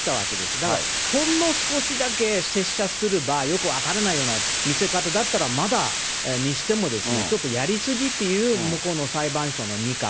だからほんの少しだけ接写すれば、よく分からないような見せ方だったらまだしも、ちょっとやり過ぎという向こうの裁判所の見方。